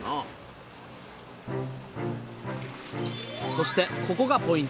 そしてここがポイント！